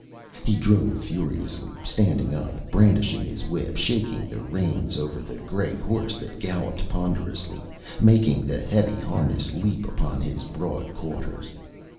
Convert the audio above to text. He drove furiously, standing up, brandishing his whip, shaking the reins over the gray horse that galloped ponderously, making the heavy harness leap upon his broad quarters.